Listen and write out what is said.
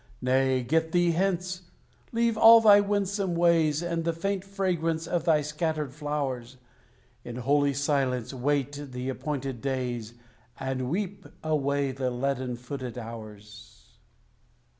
Nay, get thee hence! Leave all thy winsome ways And the faint fragrance of thy scattered flowers: In holy silence wait the appointed days, And weep away the leaden footed hours.